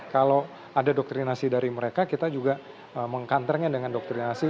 kalau ada doktrinasi dari mereka kita juga meng counternya dengan doktrinasi